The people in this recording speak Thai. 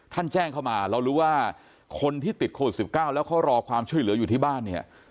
แจ้งเข้ามาเรารู้ว่าคนที่ติดโควิด๑๙แล้วเขารอความช่วยเหลืออยู่ที่บ้านเนี่ย